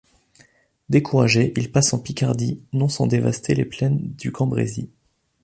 Découragé, il passe en Picardie, non sans dévaster les plaines du Cambrésis.